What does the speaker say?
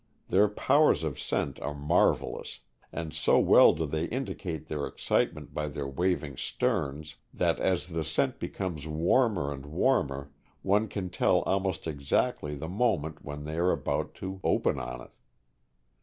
Their powers of scent are marvelous; and so well do they indicate their excitement by their waving sterns, that as the scent becomes warmer and warmer one can tell almost exactly the moment when they are about to open THE BASSET HOUND. 213 on it.